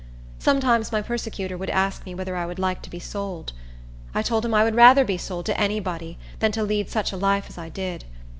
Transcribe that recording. Sometimes my persecutor would ask me whether I would like to be sold. I told him I would rather be sold to any body than to lead such a life as I did.